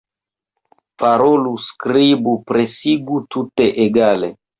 Parolu, skribu, presigu; tute egale.